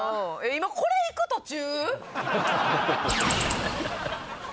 今これ行く途中？